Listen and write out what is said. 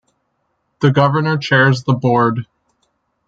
The Governor chairs the Board.